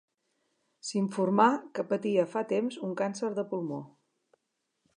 S'informà que patia fa temps d'un càncer de pulmó.